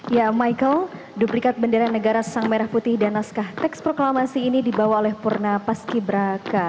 ya michael duplikat bendera negara sang merah putih dan naskah teks proklamasi ini dibawa oleh purna paski braka